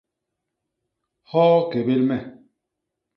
Hoo kébél me.